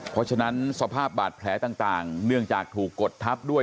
เพราะฉะนั้นสภาพบาดแผลต่างเนื่องจากถูกกดทับด้วย